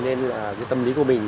nên là cái tâm lý của mình